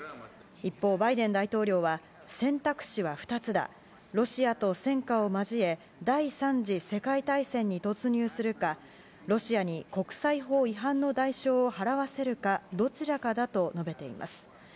一方、バイデン大統領は選択肢は２つだロシアと戦火を交え第３次世界大戦に突入するかロシアに国際法違反の代償を払わせるかどちらかだと述べています。